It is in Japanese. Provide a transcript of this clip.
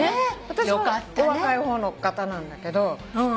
私はお若い方の方なんだけど。